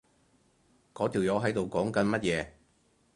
嗰條友喺度講緊乜嘢？